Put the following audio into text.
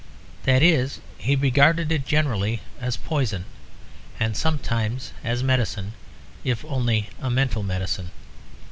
That is, he regarded it generally as a poison and sometimes as a medicine, if only a mental medicine.